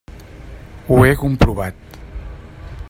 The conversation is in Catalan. Ho he comprovat.